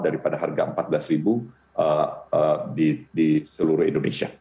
daripada harga rp empat belas di seluruh indonesia